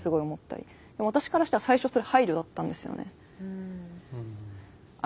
でも私からしたら最初それ配慮だったんですよね。